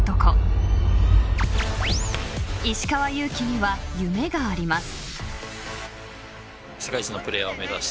［石川祐希には夢があります］